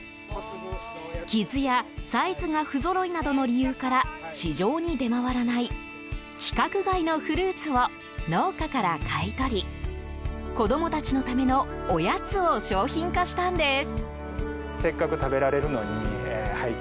傷やサイズが不ぞろいなどの理由から市場に出回らない規格外のフルーツを農家から買い取り子供たちのためのおやつを商品化したんです。